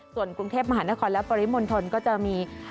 ส่วนกรุงเทพมหานครและปริมณฑลก็จะมี